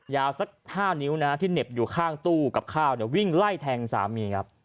ยาวสัก๕นิ้วที่เหน็บอยู่ข้างตู้กับข้าววิ่งไล่แทงสามีครับ